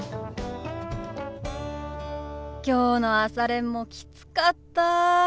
きょうの朝練もきつかった。